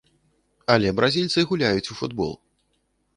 Але бразільцы гуляюць у футбол.